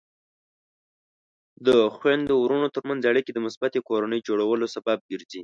د خویندو ورونو ترمنځ اړیکې د مثبتې کورنۍ جوړولو سبب ګرځي.